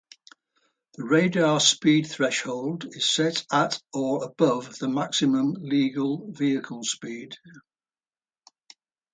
The radar speed threshold is set at or above the maximum legal vehicle speed.